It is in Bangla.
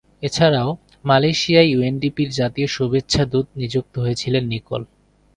এছাড়াও, মালয়েশিয়ায় ইউএনডিপি’র জাতীয় শুভেচ্ছা দূত নিযুক্ত হয়েছিলেন নিকোল।